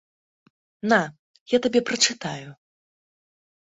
На, я табе прачытаю.